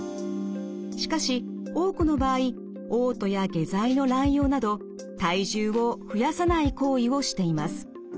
しかし多くの場合おう吐や下剤の乱用など体重を増やさない行為をしています。